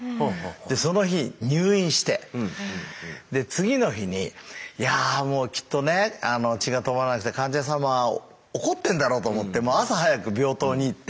その日入院してで次の日に「いやもうきっとね血が止まらなくて患者様は怒ってんだろう」と思って朝早く病棟に行って。